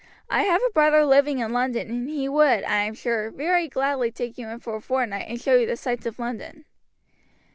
I have a brother living in London and he would, I am sure, very gladly take you in for a fortnight and show you the sights of London."